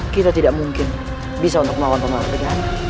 kita tidak mungkin bisa untuk melawan pemelawan dengan